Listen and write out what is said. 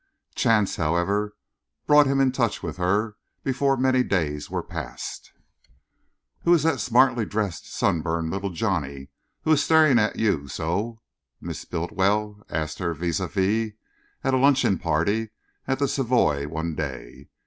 Chance, however, brought him in touch with her before many days were passed. "Who is the smartly dressed, sunburnt little Johnny who is staring at you so, Miss Bultiwell?" asked her vis à vis at a luncheon party at the Savoy one day.